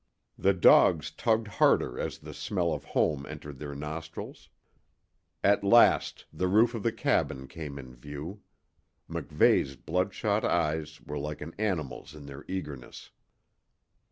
The dogs tugged harder as the smell of home entered their nostrils. At last the roof of the cabin came in view. MacVeigh's bloodshot eyes were like an animal's in their eagerness.